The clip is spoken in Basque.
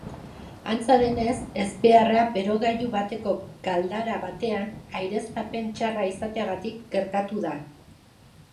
Antza denez, ezbeharra berogailu bateko galdara batean aireztapen txarra izateagatik gertatu da.